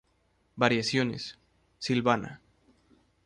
Variaciones: Silvana.